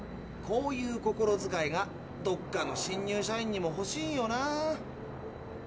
こういう心づかいがどっかの新入社員にもほしいよな。